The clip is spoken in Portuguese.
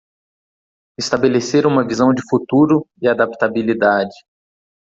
Estabelecer uma visão de futuro e adaptabilidade